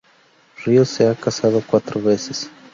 Ríos se ha casado cuatro veces.